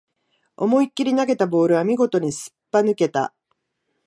思いっきり投げたボールは見事にすっぽ抜けた